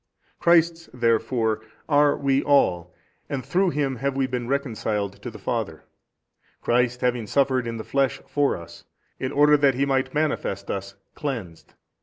Christ's therefore are we all and through Him have we been reconciled to the Father, Christ having suffered in the flesh for us, in order that He might manifest us cleansed.